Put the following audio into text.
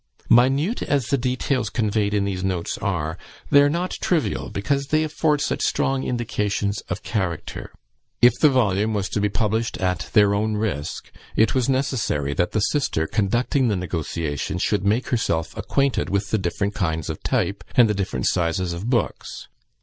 Minute as the details conveyed in these notes are, they are not trivial, because they afford such strong indications of character. If the volume was to be published at their own risk, it was necessary that the sister conducting the negotiation should make herself acquainted with the different kinds of type, and the various sizes of books.